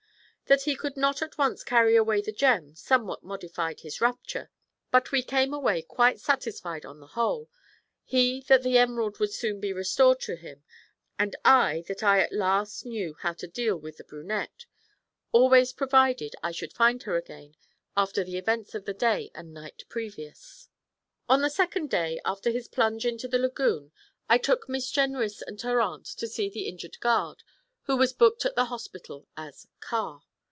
That he could not at once carry away the gem somewhat modified the rapture, but we came away quite satisfied on the whole, he that the emerald would soon be restored to him, and I that I at last knew how to deal with the brunette always provided I should find her again after the events of the day and night previous. On the second day after his plunge into the lagoon I took Miss Jenrys and her aunt to see the injured guard, who was booked at the hospital as 'Carr.'